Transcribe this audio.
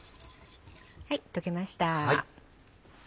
溶けました。